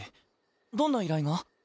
どんな依頼が？